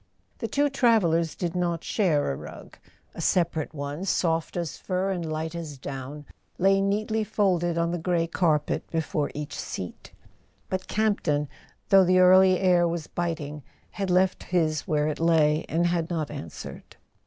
The two travellers did not share a rug: a separate one, soft as fur and light as down, lay neatly folded on the grey carpet before each seat; but Campton, though the early air was biting, had left his where it lay, and had not answered.